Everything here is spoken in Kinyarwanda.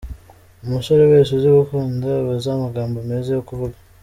Umusore wese uzi gukunda aba azi amagambo meza yo kuvuga.